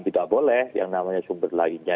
tidak boleh yang namanya sumber lainnya